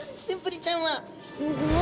すごい。